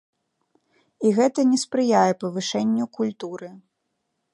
І гэта не спрыяе павышэнню культуры.